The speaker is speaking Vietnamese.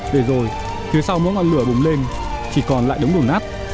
để rồi phía sau mỗi ngọn lửa bùng lên chỉ còn lại đống đổ nát